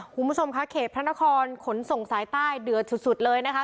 คุณผู้ชมคะเขตพระนครขนส่งสายใต้เดือดสุดเลยนะคะ